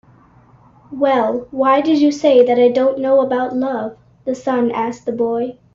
"Well, why did you say that I don't know about love?" the sun asked the boy.